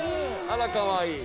あらかわいい。